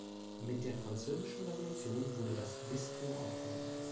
Mit der Französischen Revolution wurde das Bistum aufgehoben.